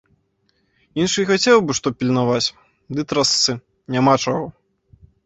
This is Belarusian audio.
Іншы і хацеў бы што пільнаваць, ды трасцы, няма чаго!